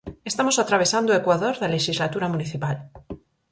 Estamos atravesando o ecuador da lexislatura municipal.